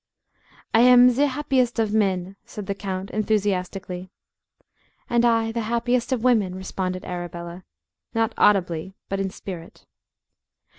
"I am the happiest of men!" said the count, enthusiastically. "And I the happiest of women," responded Arabella, not audibly, but in spirit.